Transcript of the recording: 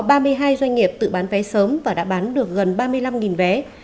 ba mươi hai doanh nghiệp tự bán vé sớm và đã bán được gần ba mươi năm vé